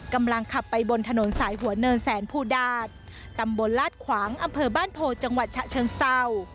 กำลังขับไปบนถนนสายหัวเนินแสนภูดาตตำบลลาดขวางอำเภอบ้านโพจังหวัดฉะเชิงเศร้า